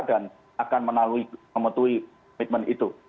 dan akan menangguh memutuhi pemerintah itu